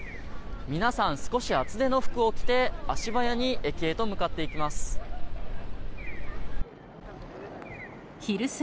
皆さん、少し厚手の服を着て足早に駅へと向かっていきます。